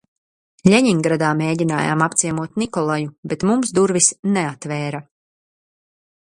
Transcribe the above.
Ļeņingradā mēģinājām apciemot Nikolaju, bet mums durvis neatvēra.